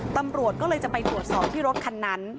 ตำรวจก็เลยจะไปตรวจสอบที่รถคันนั้น